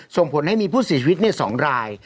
ส่งผลให้มีผู้สิทธิ์ชีวิตสองราย